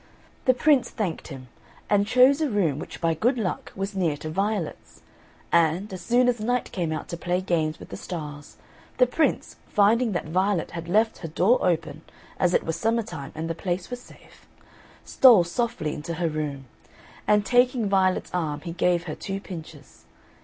The Prince thanked him, and chose a room which by good luck was near to Violet's; and, as soon as Night came out to play games with the Stars, the Prince, finding that Violet had left her door open, as it was summertime and the place was safe, stole softly into her room, and taking Violet's arm he gave her two pinches.